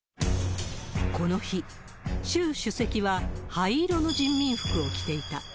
この日、周主席は灰色の人民服を着ていた。